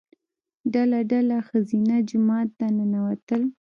ډله ډله ښځینه جومات ته ننوتل.